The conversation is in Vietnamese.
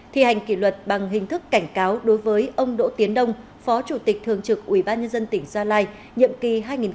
thi hành kỷ luật bằng hình thức cảnh cáo đối với ông đỗ tiến đông phó chủ tịch thường trực ubnd tỉnh gia lai nhiệm kỳ hai nghìn một mươi sáu hai nghìn hai mươi một